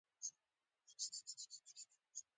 زه د جملو املا پر وخت سم لیکم.